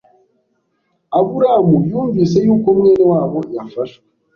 Aburamu yumvise yuko mwene wabo yafashwe